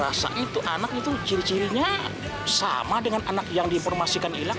rasa itu anak itu ciri cirinya sama dengan anak yang diinformasikan hilang